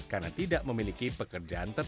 karena tidak memiliki kemampuan untuk membuat kompetensi